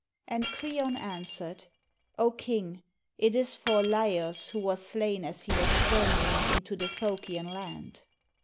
And Kreon answered, "O king, it is for Laios, who was slain as he was journeying into the Phokion land."